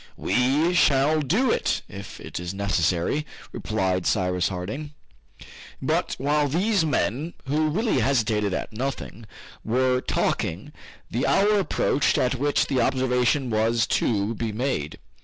"We shall do it, if it is necessary," replied Cyrus Harding. But while these men, who really hesitated at nothing, were talking, the hour approached at which the observation was to be made.